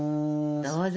どうぞ！